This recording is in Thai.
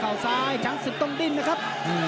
ข่าวซ้ายทั้งสิทธิ์ต้องดิ้นนะครับ